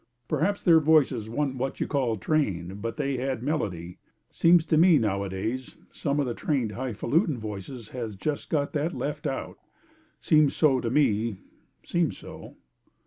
Perhaps their voices wan't what you call trained, but they had melody. Seems to me nowadays some of the trained high falutin' voices has just got that left out. Seems so to me seems so.